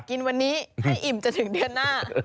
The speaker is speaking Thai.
กินวันนี้ให้อิ่มจนถึงเดือนหน้า